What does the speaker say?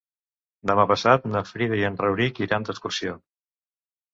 Demà passat na Frida i en Rauric iran d'excursió.